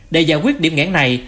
để giải quyết điểm ngãn này